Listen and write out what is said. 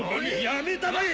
やめたまえ！